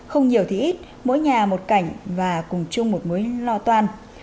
không nhiều thì ít mỗi nhà một cảnh và cùng chung một mối lo toan